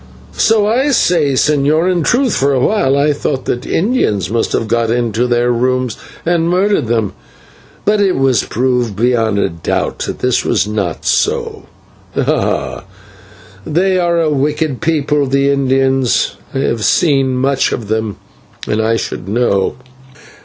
"So I say, señor. In truth for a while I thought that Indians must have got into their rooms and murdered them, but it was proved beyond a doubt that this was not so. Ah! they are a wicked people, the Indians; I have seen much of them and I should know.